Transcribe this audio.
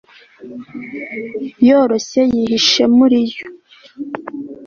yoroshye yihishe muri yo